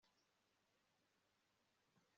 ntabwo bigeze bababwira